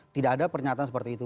tidak ada pernyataan seperti itu